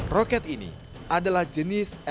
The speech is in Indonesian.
roket ini adalah jenis rbu enam ribu buatan rusia